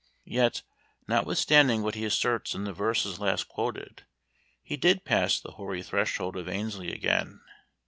Yet, notwithstanding what he asserts in the verses last quoted, he did pass the "hoary threshold" of Annesley again.